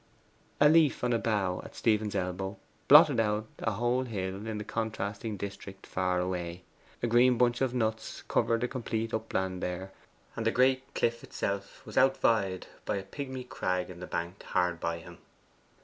A leaf on a bough at Stephen's elbow blotted out a whole hill in the contrasting district far away; a green bunch of nuts covered a complete upland there, and the great cliff itself was outvied by a pigmy crag in the bank hard by him.